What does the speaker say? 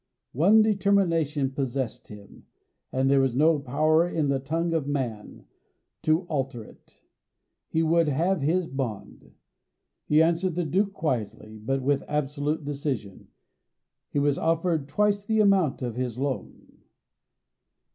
One determination possessed him, and there was no power in the tongue of man to alter it he would have his bond. He answered the Duke quietly, but with absolute decision. He was offered twice the amount of his loan.